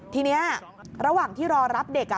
ทีนี้ระหว่างที่รอรับเด็ก